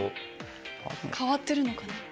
変わってるのかな？